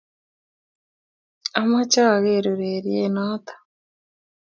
Ameche ageer ureriet noto